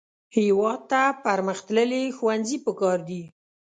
هېواد ته پرمختللي ښوونځي پکار دي